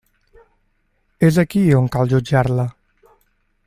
És aquí on cal jutjar-la.